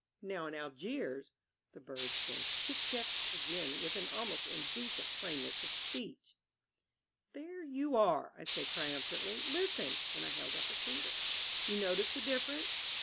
Now in Algiers " The bird said "Chiff chaff" again with an almost indecent plainness of speech. "There you are!" I said triumphantly. "Listen," and I held up a finger. "You notice the difference?